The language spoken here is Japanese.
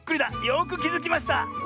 よくきづきました！